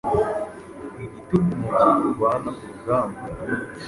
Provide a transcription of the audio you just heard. Igitugumugihe urwana kurugamba